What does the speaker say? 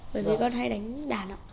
bởi vì con hay đánh đàn